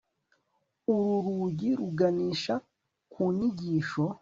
Uru rugi ruganisha ku nyigisho